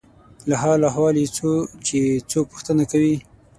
له حال او احوال یې څو چې څوک پوښتنه کوي.